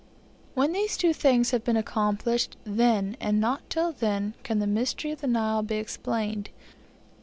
When these two things have been accomplished, then, and not till then, can the mystery of the Nile be explained.